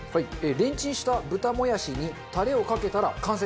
レンチンした豚もやしにタレをかけたら完成です。